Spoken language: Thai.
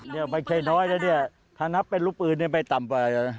เนี้ยมันใช่น้อยแล้วเนี้ยถ้านับเป็นรูปปืนนี่ไม่ต่ำป่ะน่ะ